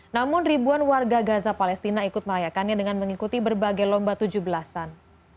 namun ribuan warga gaza palestina ikut merayakannya dengan mengikuti berbagai lomba tujuh belas an